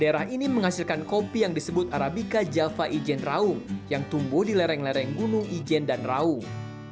daerah ini menghasilkan kopi yang disebut arabica java ijen raung yang tumbuh di lereng lereng gunung ijen dan raung